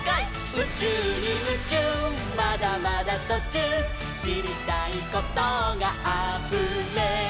「うちゅうにムチューまだまだとちゅう」「しりたいことがあふれる」